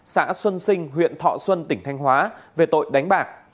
xã xuân sinh huyện thọ xuân tỉnh thanh hóa về tội đánh bạc